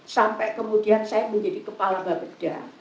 sampai kemudian saya menjadi kepala bapeda